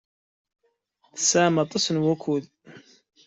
Tesɛam aṭas n wakud.